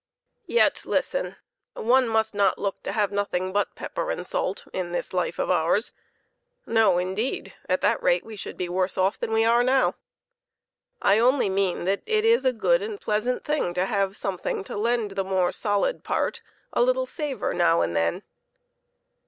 Yet listen ! One must not look to have nothing but pepper and salt in this life of ours no, indeed ! At that rate we would be worse off than we are now. I only mean that it is a good and pleasant thing to have something to lend the more solid part a little savor now and then